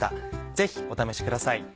ぜひお試しください。